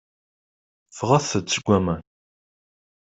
Ffɣet-d seg waman.